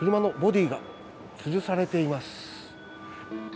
車のボディーがつるされています。